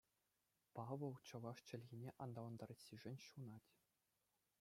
Павӑл чӑваш чӗлхине аталантарассишӗн ҫунать.